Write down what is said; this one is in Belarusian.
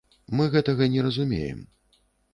Мы гэтага не разумеем.